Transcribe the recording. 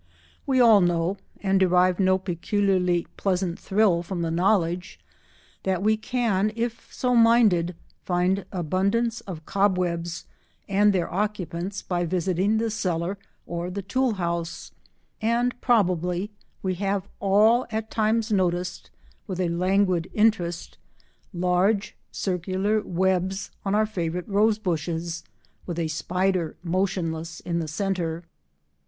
We all know—and derive no peculiarly pleasant thrill from the knowledge—that we can, if so minded, find abundance of cobwebs and their occupants by visiting the cellar or the tool house; and probably we have all at times noticed, with a languid interest, large circular webs on our favourite rose bushes, with a spider motionless in the centre.